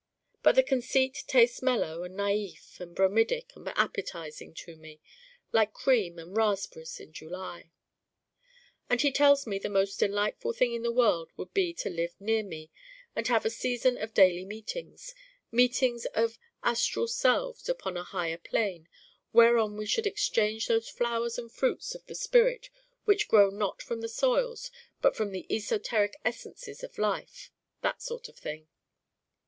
But the conceit tastes mellow and naïf and bromidic and appetizing to me, like cream and raspberries in July. And he tells me the most delightful thing in the world would be to live near me and have a season of daily meetings meetings of astral selves upon a 'higher plane' whereon we should exchange those flowers and fruits of the spirit which grow not from the soils but from the esoteric essences of life: that sort of thing.